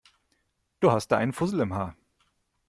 Du hast da einen Fussel im Haar.